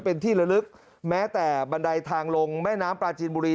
เป็นที่ละลึกแม้แต่บันไดทางลงแม่น้ำปลาจีนบุรี